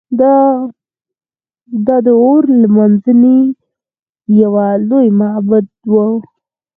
دا د اور لمانځنې یو لوی معبد و